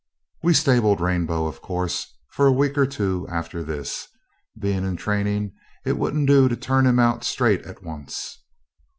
We stabled Rainbow, of course, for a week or two after this being in training it wouldn't do to turn him out straight at once.